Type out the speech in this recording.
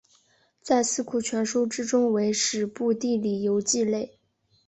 在四库全书之中为史部地理游记类。